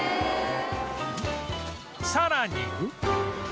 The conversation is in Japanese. さらに